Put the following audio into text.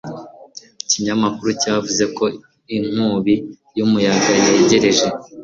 ikinyamakuru cyavuze ko inkubi y'umuyaga yegereje